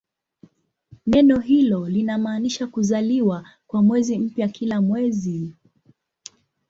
Neno hilo linamaanisha "kuzaliwa" kwa mwezi mpya kila mwezi.